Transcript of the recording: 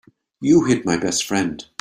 You hit my best friend.